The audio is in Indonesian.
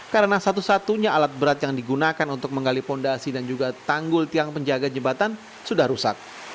karena satu satunya alat berat yang digunakan untuk menggali fondasi dan juga tanggul tiang penjaga jembatan sudah rusak